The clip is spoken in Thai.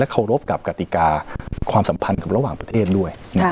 เคารพกับกติกาความสัมพันธ์กับระหว่างประเทศด้วย